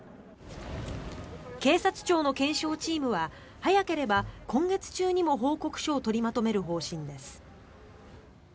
警察庁の検証チームは早ければ今月中にも報告書を取りまとめる方針です。